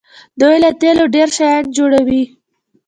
دوی له تیلو ډیر شیان جوړوي.